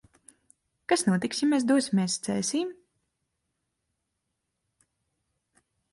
Kas notiks, ja mēs dosimies Cēsīm?